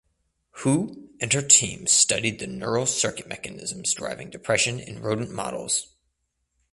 Hu and her team study the neural circuit mechanisms driving depression in rodent models.